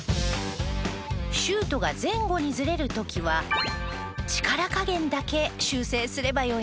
シュートが前後にズレる時は力加減だけ修正すればよいのですが。